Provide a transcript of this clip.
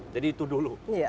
jadi itu dulu